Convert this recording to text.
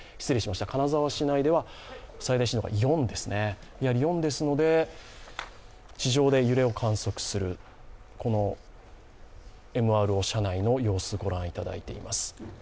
金沢市内では最大震度が４ですので地上で揺れを観測する、ＭＲＯ社内の様子ご覧いただいています。